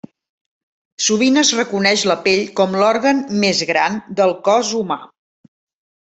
Sovint es reconeix la pell com l'òrgan més gran del cos humà.